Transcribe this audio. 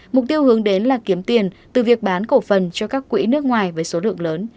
mục tiêu hướng đến là kiếm tiền từ việc bán cổ phần cho các quỹ nước ngoài với số lượng lớn